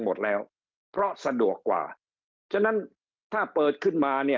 หมดแล้วเพราะสะดวกกว่าฉะนั้นถ้าเปิดขึ้นมาเนี่ย